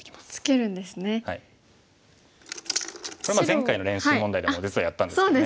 前回の練習問題でも実はやったんですよね。